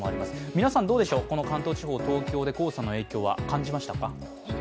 皆さん、どうでしょう、関東地方、東京で黄砂の影響は感じましたか？